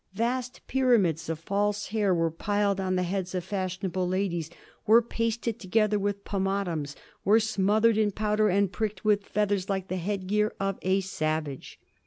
Vast pyramids of false hair were piled on the heads of fashionable ladies, were pasted together with pomatums, were smothered in powder and pricked with feathers like the headgear of a savage.